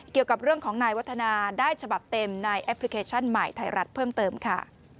เกี่ยวกับเรื่องของนายวัฒนาได้ฉบับเต็มในแอปพลิเคชันใหม่ไทยรัฐเพิ่มเติมค่ะ